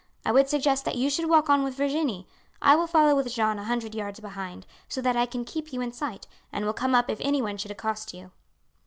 I would suggest that you should walk on with Virginie. I will follow with Jeanne a hundred yards behind, so that I can keep you in sight, and will come up if anyone should accost you."